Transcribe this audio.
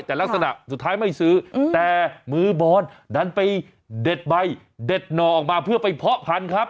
แต่ลักษณะสุดท้ายไม่ซื้อแต่มือบอลดันไปเด็ดใบเด็ดหน่อออกมาเพื่อไปเพาะพันธุ์ครับ